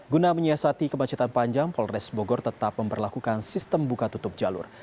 guna menyiasati kemacetan panjang polres bogor tetap memperlakukan sistem buka tutup jalur